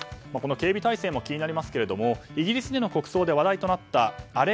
警備態勢も気になりますがイギリスの国葬で話題となった、あれ。